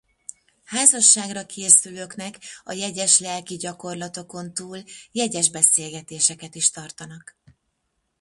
Házasságra készülőknek a jegyes lelkigyakorlatokon túl jegyes beszélgetéseket is tartanak.